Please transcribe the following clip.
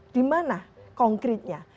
di mana konkretnya